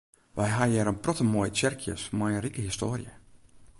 Wy ha hjir in protte moaie tsjerkjes mei in rike histoarje.